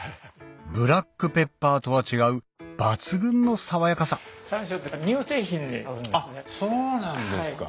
ブラックペッパーとは違う抜群の爽やかさそうなんですか。